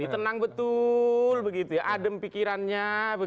tenang betul adem pikirannya